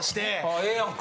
あええやんか。